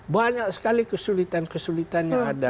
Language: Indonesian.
banyak sekali kesulitan kesulitan yang ada